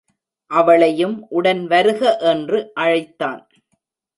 அவளையும் உடன் வருக என்று அழைத்தான்.